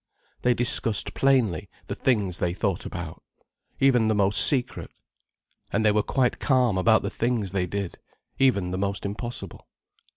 They discussed plainly the things they thought about—even the most secret—and they were quite calm about the things they did—even the most impossible.